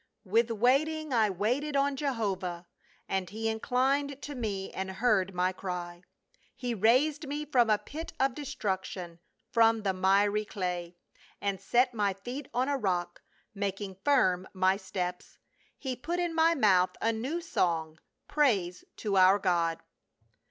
" With waiting I waited on Jehovah, And he inclined to me and heard my cry ; He raised me from a pit of destruction, from the miry clay. And set my feet on a rock, making firm my steps, He put in my mouth a new song, praise to our God."